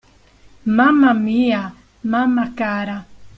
Mamma mia, mamma cara.